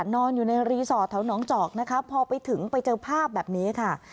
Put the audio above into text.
นอนอยู่ในรีสอร์ทแถวหนองจอกนะคะพอไปถึงไปเจอภาพแบบนี้ค่ะ